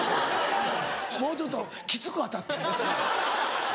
もうちょっとキツく当たってる。